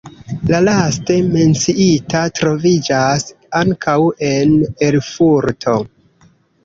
La laste menciita troviĝas ankaŭ en Erfurto.